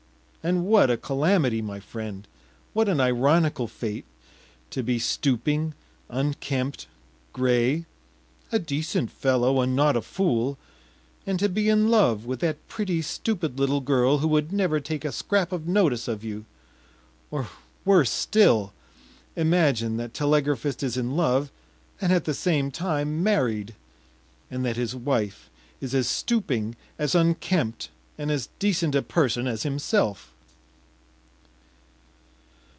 And what a calamity, my friend! what an ironical fate, to be stooping, unkempt, gray, a decent fellow and not a fool, and to be in love with that pretty, stupid little girl who would never take a scrap of notice of you! Or worse still: imagine that telegraphist is in love, and at the same time married, and that his wife is as stooping, as unkempt, and as decent a person as himself.